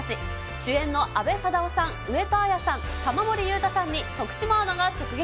主演の阿部サダヲさん、上戸彩さん、玉森裕太さんに徳島アナが直撃。